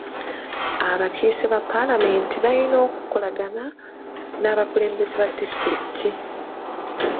Abakiise ba palaamenti balina okukolagana n'abakulembeze ba disitulikiti.